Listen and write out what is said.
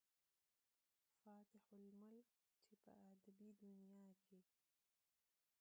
فاتح الملک، چې پۀ ادبي دنيا کښې